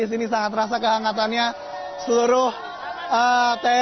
di sini sangat terasa kehangatannya seluruh negara indonesia ini adalah kehangatan yang sangat terasa